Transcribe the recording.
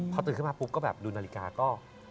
พอตื่นขึ้นมาปุ๊บก็แบบดูนาฬิกาก็